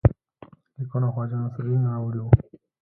لیکونه خواجه نصیرالدین راوړي وه.